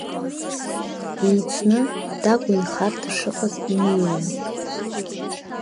Еицны Такәа инхарҭа шыҟаз инеиуан.